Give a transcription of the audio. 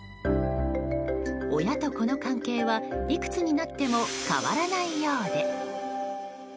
親と子の関係はいくつになっても変わらないようで。